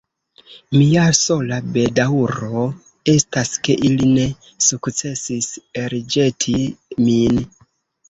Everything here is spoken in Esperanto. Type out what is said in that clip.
Mia sola bedaŭro estas ke ili ne sukcesis elĵeti min.